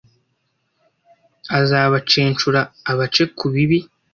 azabacencura abace ku bibi